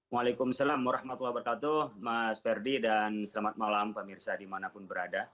waalaikumsalam warahmatullahi wabarakatuh mas verdi dan selamat malam pak mirsa dimanapun berada